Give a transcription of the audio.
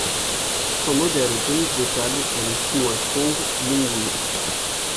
Son modèle au tennis de table est le chinois Kong Linghui.